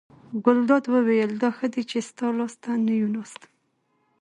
ګلداد وویل: دا ښه دی چې ستا لاس ته نه یو ناست.